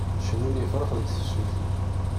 Cennun yefṛax deg tefsut.